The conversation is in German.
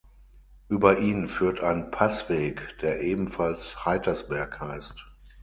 Über ihn führt ein Passweg, der ebenfalls Heitersberg heißt.